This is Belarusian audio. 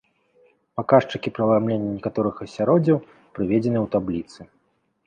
Паказчыкі праламлення некаторых асяроддзяў прыведзены ў табліцы.